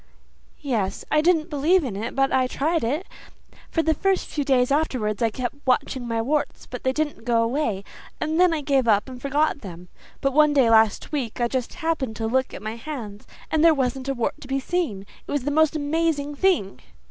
"Yes. I didn't believe in it but I tried it. For the first few days afterwards I kept watching my warts, but they didn't go away, and then I gave up and forgot them. But one day last week I just happened to look at my hands and there wasn't a wart to be seen. It was the most amazing thing."